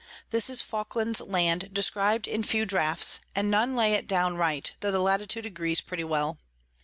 This is Falkland's Land, describ'd in few Draughts, and none lay it down right, tho the Latitude agrees pretty well.